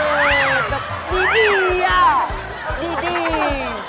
เออมันมีอะไรที่ดี